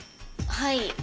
はい。